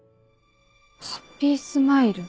ハッピースマイル。